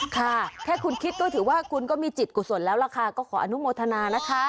ค่ะแค่คุณคิดก็ถือว่าคุณก็มีจิตกุศลแล้วล่ะค่ะก็ขออนุโมทนานะคะ